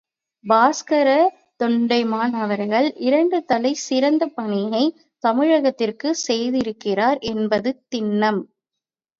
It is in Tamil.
பாஸ்கரத் தொண்டைமான் அவர்கள் இரண்டு தலை சிறந்த பணியை தமிழகத்திற்கு செய்திருக்கிறார் என்பது திண்ணம்.